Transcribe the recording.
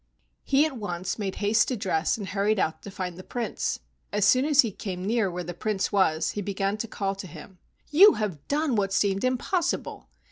He at once made haste to dress and hurried out to find the Prince. As soon as he came near where the Prince was, he began to call to him. "You have done what seemed impossible.